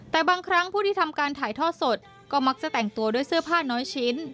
แต่บางครั้งผู้ที่ทำการถ่ายทอดสดก็มักจะแต่งตัวด้วยเสื้อผ้าน้อยชิ้น